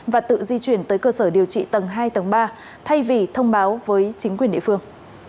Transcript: và tự di chuyển tới cơ sở điều trị tầng hai tầng ba thay vì thông báo với chính quyền địa phương